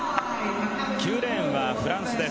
９レーンはフランスです。